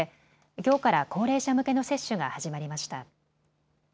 きょうから高齢者向けの接種が始まりました。